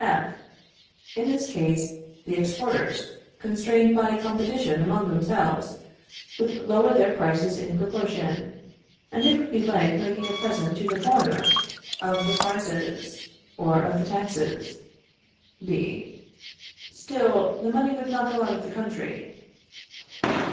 F. In this case, the exporters, constrained by competition among themselves, would lower their prices in proportion, and it would be like making a present to the foreigner of the prizes or of the taxes. B. Still, the money would not go out of the country.